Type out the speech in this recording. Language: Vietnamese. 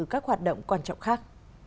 các hoạt động quan trọng khác